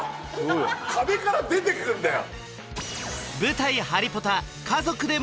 壁から出てくんだよ！